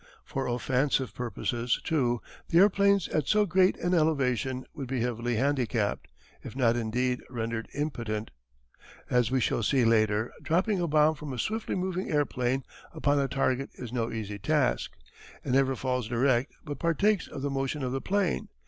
For offensive purposes too the airplanes at so great an elevation would be heavily handicapped, if not indeed rendered impotent. As we shall see later, dropping a bomb from a swiftly moving airplane upon a target is no easy task. It never falls direct but partakes of the motion of the plane.